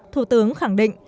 thủ tướng khẳng định